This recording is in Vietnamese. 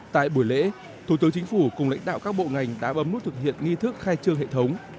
tại buổi lễ thủ tướng chính phủ cùng lãnh đạo các bộ ngành đã bấm nút thực hiện nghi thức khai trương hệ thống